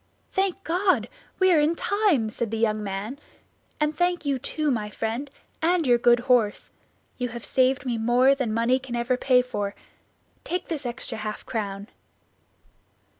"Thank God! we are in time," said the young man, "and thank you, too, my friend, and your good horse. You have saved me more than money can ever pay for. Take this extra half crown."